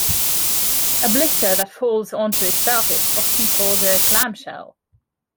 A blister that folds onto itself is often called a clamshell.